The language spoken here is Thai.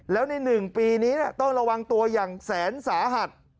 แล้วใน๑ปีนี้ต้องระวังตัวอย่างแสนสาหัส